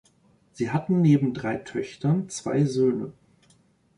Sie hatten neben drei Töchtern zwei Söhne.